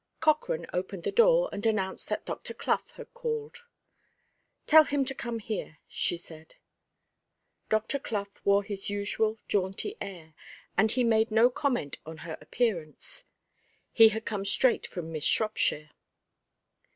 Cochrane opened the door, and announced that Dr. Clough had called. "Tell him to come here," she said. Dr. Clough wore his usual jaunty air, and he made no comment on her appearance; he had come straight from Miss Shropshire.